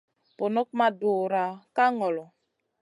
Bunuk ma dura ka ŋolo.